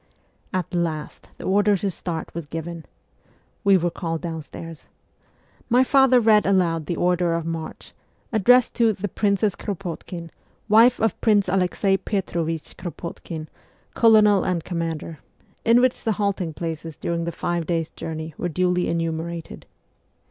At last the order to start was given. We were called downstairs. My father read aloud the order of march, addressed to ' the Princess Krop6tkin, wife of Prince Alex6i Petrovich Krop6tkin, Colonel and Commander,' in which the halting places during the five days' journey were duly enumerated.